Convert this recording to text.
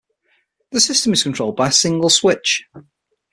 The system is controlled by a single switch.